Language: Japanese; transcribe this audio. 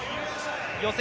予選